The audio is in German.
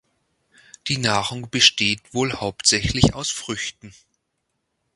Die Nahrung besteht wohl hauptsächlich aus Früchten.